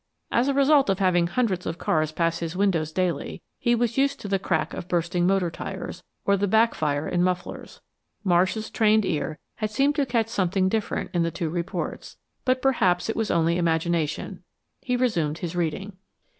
As a result of having hundreds of cars pass his windows daily he was used to the crack of bursting motor tires, or the back fire in mufflers. Marsh's trained ear had seemed to catch something different in the two reports, but perhaps it was only imagination. He resumed his reading.